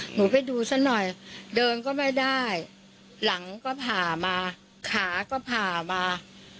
หนูไปดูซะหน่อยเดินก็ไม่ได้หลังก็ผ่ามาขาก็ผ่ามา